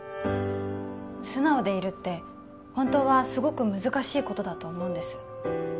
素直でいるって本当はすごく難しいことだと思うんです